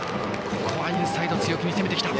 ここはインサイドに強気に攻めてきた。